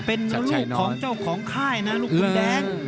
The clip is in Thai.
เป็นลูกของเจ้าของค่ายนะลูกคุณแดง